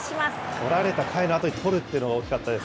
取られた回のあとに取るっていうのが大きかったです。